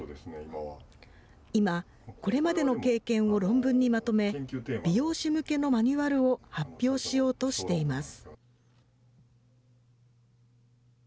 今、これまでの経験を論文にまとめ、美容師向けのマニュアルを発表しようとしています。